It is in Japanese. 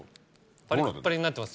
パリッパリになってます。